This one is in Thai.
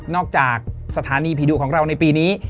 จากสถานีผีดุของเราในปีนี้